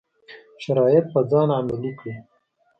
شرایط په ځان عملي کړي.